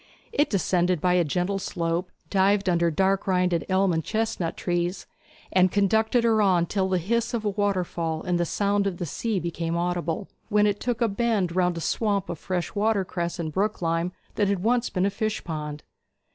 It descended by a gentle slope, dived under dark rinded elm and chestnut trees, and conducted her on till the hiss of a waterfall and the sound of the sea became audible, when it took a bend round a swamp of fresh watercress and brooklime that had once been a fish pond.